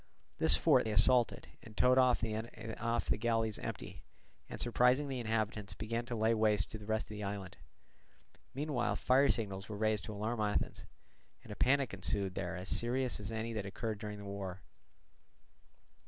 This fort they assaulted, and towed off the galleys empty, and surprising the inhabitants began to lay waste the rest of the island. Meanwhile fire signals were raised to alarm Athens, and a panic ensued there as serious as any that occurred during the war.